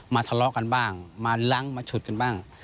ทะเลาะกันบ้างมาล้างมาฉุดกันบ้าง